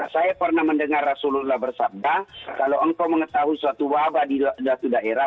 saya pernah mendengar rasulullah bersabda kalau engkau mengetahui suatu wabah di suatu daerah